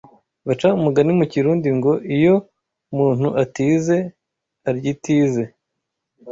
Baca umugani mu Kirundi ngo ‘iyo muntu atize aryitize’